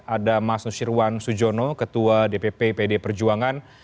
ada mas nusirwan sujono ketua dpp pd perjuangan